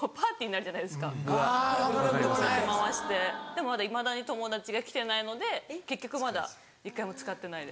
でもまだいまだに友達が来てないので結局まだ一回も使ってないです。